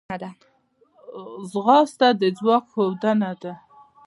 ځغاسته د ځواک ښودنه ده